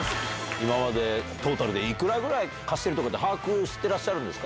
今までトータルで、いくらぐらい貸してるとかって把握してらっしゃるんですか。